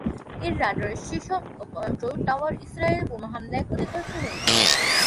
এর radar station ও control tower ইসরায়েলের বোমা হামলায় ক্ষতিগ্রস্ত হয়েছে।